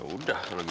oh yaudah lagi